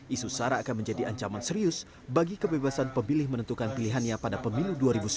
isu sara akan menjadi ancaman serius bagi kebebasan pemilih menentukan pilihannya pada pemilu dua ribu sembilan belas